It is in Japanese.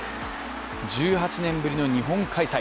１８年ぶりの日本開催。